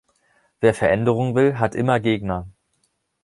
Wer Veränderung will, hat immer Gegner.